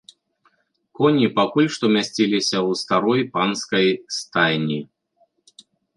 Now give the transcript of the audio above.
Коні пакуль што мясціліся ў старой панскай стайні.